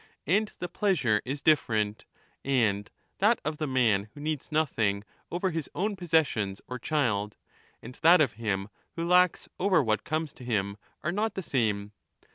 And the 30 pleasure is different, and ^ that of the man who needs nothing over his own possessions or child, and that of him who lacks over what comes to him, are not the same.